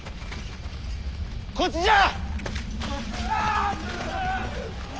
こっちじゃ！